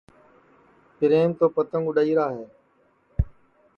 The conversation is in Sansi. پِریم تو پتنٚگ اُڈؔائیرا ہے